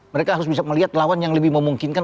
mereka harus bisa melihat lawan yang lebih memungkinkan